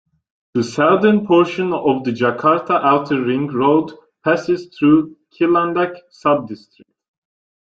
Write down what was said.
The southern portion of the Jakarta Outer Ring Road passes through Cilandak Subdistrict.